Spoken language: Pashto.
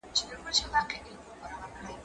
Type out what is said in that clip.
ږغ واوره،